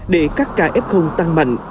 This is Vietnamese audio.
để các ca f tăng mạnh